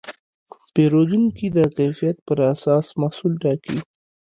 پیرودونکي د کیفیت پر اساس محصول ټاکي.